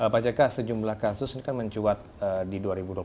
pak jk sejumlah kasus ini kan mencuat di dua ribu dua puluh